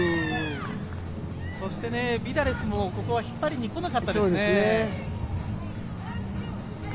そしてビダレスもここは引っ張りに来なかったですね。